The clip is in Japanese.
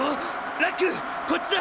ラックこっちだ！